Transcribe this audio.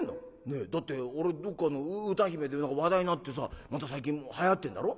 ねえだってあれどっかの歌姫で話題になってさまた最近はやってんだろ？